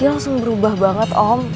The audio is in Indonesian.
langsung berubah banget om